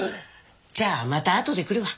じゃあまたあとで来るわ。